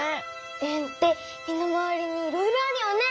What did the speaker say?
円って身の回りにいろいろあるよね。